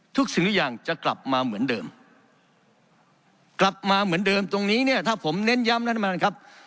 สิ่งทุกอย่างจะกลับมาเหมือนเดิมกลับมาเหมือนเดิมตรงนี้เนี่ยถ้าผมเน้นย้ำท่านประธานครับ